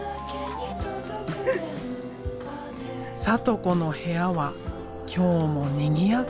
サト子の部屋は今日もにぎやか。